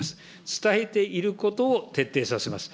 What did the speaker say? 伝えていることを徹底させます。